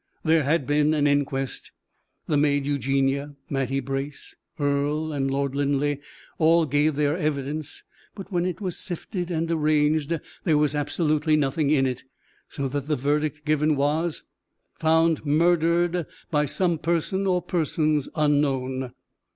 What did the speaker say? There had been an inquest. The maid Eugenie, Mattie Brace, Earle, and Lord Linleigh, all gave their evidence; but when it was sifted and arranged, there was absolutely nothing in it; so that the verdict given was, "Found murdered, by some person or persons unknown."